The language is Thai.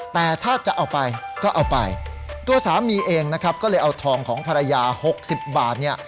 แต่ถ้าจะเอาไปก็เอาไปตัวสามีเองนะครับก็เลยเอาทองของภรรยา๖๐บาทเนี่ย